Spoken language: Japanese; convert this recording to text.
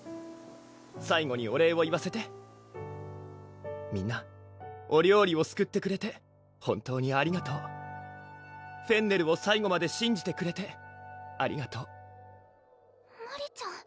最後にお礼を言わせてみんなお料理をすくってくれて本当にありがとうフェンネルを最後までしんじてくれてありがとうマリちゃん